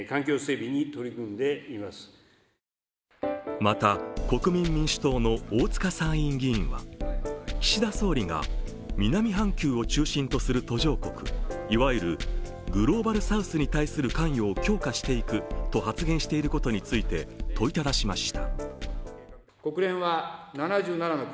また、国民民主党の大塚参院議員は岸田総理が南半球を中心とする途上国いわゆるグローバサウスに対する関与を強化していくと発言していることについて問いただしました。